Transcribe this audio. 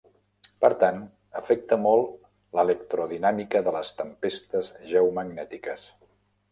Per tant, afecta molt l'electrodinàmica de les tempestes geomagnètiques.